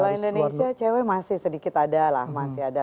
kalau indonesia cewek masih sedikit ada lah masih ada